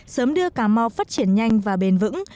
sớm đưa cà mau phát triển nhanh và bền vững